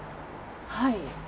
はい。